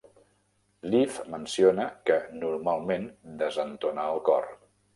Live, menciona que "normalment desentona al cor".